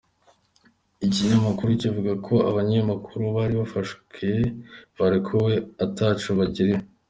Ico kinyamakuru kivuga ko abamenyeshamakuru bari bafashwe barekuwe ataco bagirijwe.